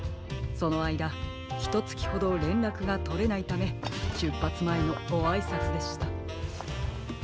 そのあいだひとつきほどれんらくがとれないためしゅっぱつまえのごあいさつでした。